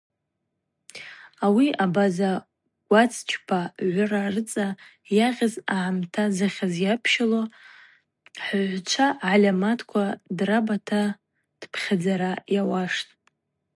Ауи абаза гвацчпа гӏвыра рыцӏа йагъьыз агӏамта зыхьыз йапщылу хӏыгӏвгӏвчва гӏальаматква драбата дпхьадза йауаштӏ.